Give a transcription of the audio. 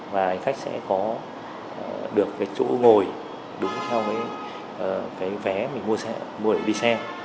và hành khách sẽ có được chỗ ngồi đúng theo vé